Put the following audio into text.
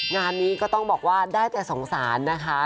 งานนี้ก็ต้องบอกว่าได้แต่สงสารนะคะ